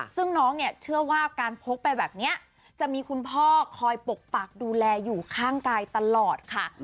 ซึ่งน้องเนี่ยเชื่อว่าการพกไปแบบนี้จะมีคุณพ่อคอยปกปักดูแลอยู่ข้างกายตลอดค่ะ